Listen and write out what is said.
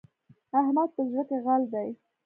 احمد په زړه کې غل دی.